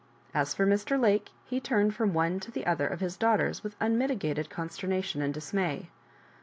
As for Mr. Lake, he turned from one to the other of his daughters with unmitigated consternation and dismay.